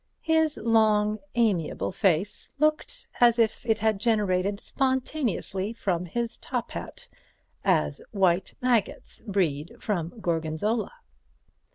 His long, amiable face looked as if it had generated spontaneously from his top hat, as white maggots breed from Gorgonzola.